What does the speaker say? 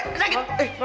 ya ya sayang kenapa